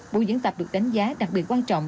buổi diễn tập được đánh giá đặc biệt quan trọng